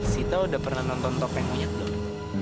sita udah pernah nonton topeng monyet dulu